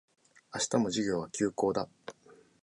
明日も授業は休講だ